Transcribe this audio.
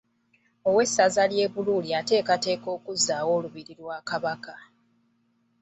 Ow’essaza ly’e Buluuli ateekateeka kuzzaawo lubiri lwa Kabaka.